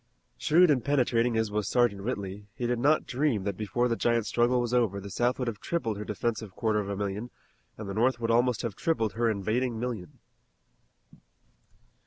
Shrewd and penetrating as was Sergeant Whitley he did not dream that before the giant struggle was over the South would have tripled her defensive quarter of a million and the North would almost have tripled her invading million.